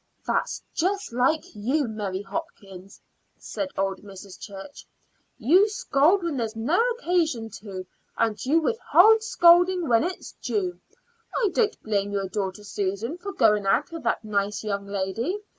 "That's just like you, Mary Hopkins," said old Mrs. Church. "You scold when there's no occasion to, and you withhold scolding when it's due. I don't blame your daughter Susan for going out with that nice young lady.